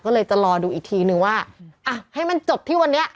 ก็เลยจะรอดูอีกทีนึงว่าอ่ะให้มันจบที่วันนี้